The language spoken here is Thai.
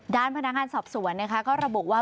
ด้านพนักงานสอบสวนนะคะก็ระบุว่า